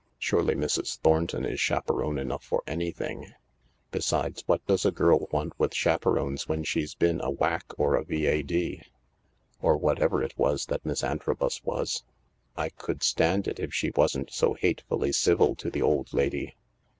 Surely Mrs. Thornton is chaperone enough for anything ? Besides, what does a girl want with chaperones when she's been a Waac or a V.A.D., or whatever it was that Miss Antrobus was ? I could stand it if she wasn't so hatefully civil to the old lady."